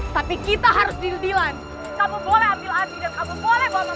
tapi kita harus didilan kamu boleh ambil abi dan kamu boleh bawa mama rekto